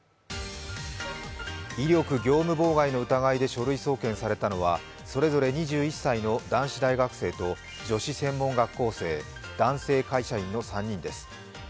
威力業務妨害の疑いで書類送検さたのはそれぞれ２１歳の男子大学生と女子専門学校生、男性会社員の３人です。